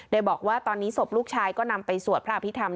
โดยบอกว่าตอนนี้ศพลูกชายก็นำไปสวดพระอภิษฐรร